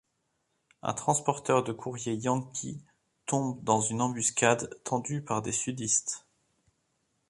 Un transporteur de courrier yankee tombe dans une embuscade tendue par des Sudistes.